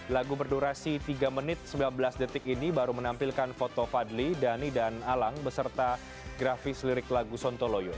lagu berdurasi tiga menit sembilan belas detik ini baru menampilkan foto fadli dhani dan alang beserta grafis lirik lagu sontoloyo